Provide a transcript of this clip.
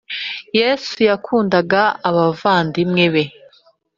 Yesu yakundaga abavandimwe be,